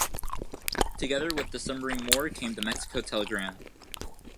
Together with the submarine war came the Mexico telegram.